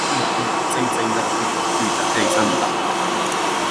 Euskal Herrian artzaintza indar handiko aktibitatea izan da.